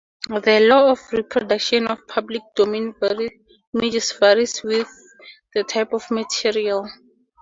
The law on reproduction of public domain images varies with the type of material.